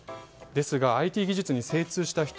ですがＩＴ技術に精通した人